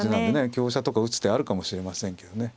香車とか打つ手あるかもしれませんけどね。